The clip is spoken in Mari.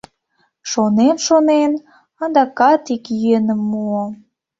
Шонен-шонен, адакат ик йӧным муо.